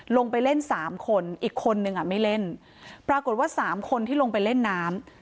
ลงไปเล่นสามคนอีกคนนึงอ่ะไม่เล่นปรากฏว่าสามคนที่ลงไปเล่นน้ำ